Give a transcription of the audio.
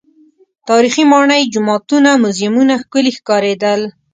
تاریخي ماڼۍ، جوماتونه، موزیمونه ښکلي ښکارېدل.